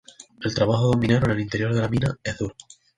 El trabajo de un minero en el interior de la mina es duro.